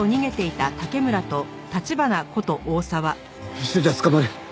一緒じゃ捕まる。